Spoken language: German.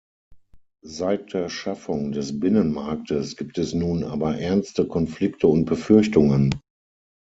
Seit der Schaffung des Binnenmarktes gibt es nun aber ernste Konflikte und Befürchtungen.